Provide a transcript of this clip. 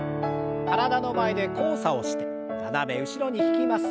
体の前で交差をして斜め後ろに引きます。